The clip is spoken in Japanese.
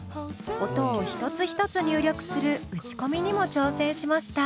音を一つ一つ入力する打ち込みにも挑戦しました。